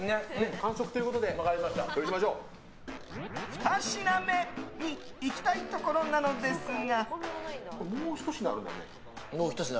２品目にいきたいところなのですが。